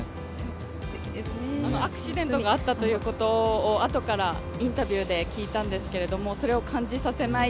アクシデントがあったということをあとからインタビューで聞いたんですけれどもそれを感じさせない